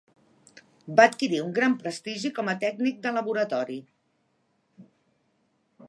Va adquirir un gran prestigi com a tècnic de laboratori.